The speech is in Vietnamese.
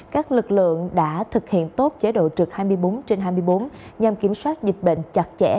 các lực lượng đã thực hiện tốt chế độ trực hai mươi bốn trên hai mươi bốn nhằm kiểm soát dịch bệnh chặt chẽ